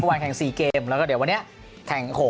วันแข่ง๔เกมแล้วก็เดี๋ยววันนี้แข่ง